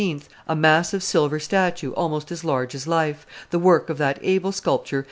a massive silver statue almost as large as life, the work of that able sculptor, M.